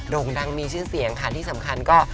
่งดังมีชื่อเสียงค่ะที่สำคัญก็